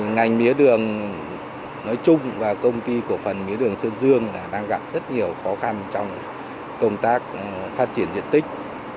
ngành mía đường nói chung và công ty cổ phần mía đường sơn dương đang gặp rất nhiều khó khăn trong công tác phát triển diện tích